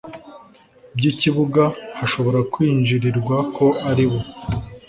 by ikibuga hashobora kwinjirirwa ko aribo